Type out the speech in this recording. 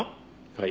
はい。